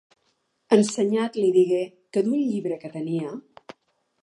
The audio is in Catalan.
Ensenyat li digué que d'un llibre que tenia.